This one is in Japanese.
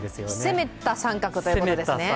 攻めた△ということですね。